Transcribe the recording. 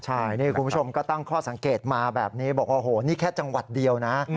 ใช่นี่คุณผู้ชมก็ตั้งข้อสังเกตมาแบบนี้บอกว่าโอ้โหนี่แค่จังหวัดเดียวนะ